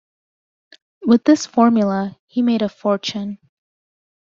With this formula, he made a fortune.